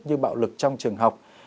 như bạo lực trong trường học